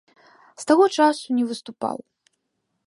З таго часу не выступаў.